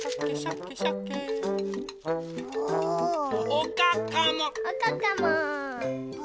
おかかも。